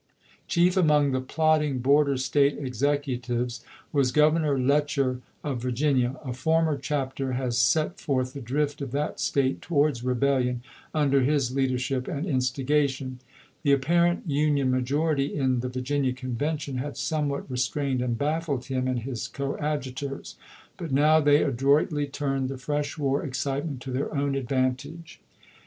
Chief among the plotting border State execu tives was Governor Letcher of Virginia. A former chapter has set forth the drift of that State to wards rebellion under his leadership and instiga tion. The apparent Union majority in the Virginia Convention had somewhat restrained and baffled him and his coadjutors ; but now they adroitly turned the fresh war excitement to their own ad vantage.